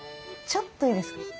ちょっといいですか？